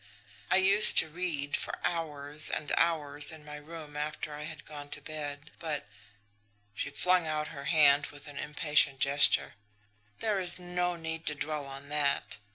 I used to read for hours and hours in my room after I had gone to bed. But" she flung out her hand with an impatient gesture "there is no need to dwell on that.